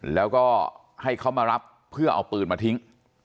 แล้วก็ให้เขามารับเพื่อเอาปืนมาทิ้ง